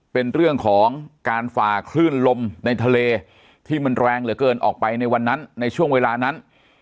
เป็นเรื่องของการฝ่าคลื่นลมในทะเลที่มันแรงเหลือเกินออกไปในวันนั้นในช่วงเวลานั้น